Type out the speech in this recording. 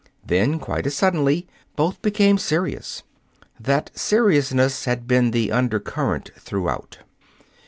Then, quite as suddenly, both became serious. That seriousness had been the under current throughout.